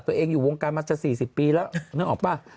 ตัวเองอยู่วงการมาจะ๔๐ปีแล้วนึกออกป่ะ